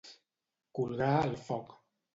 Colgar el foc.